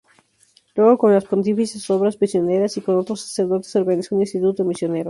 Luego con las Pontificias Obras misioneras y con otros sacerdotes organizó un instituto misionero.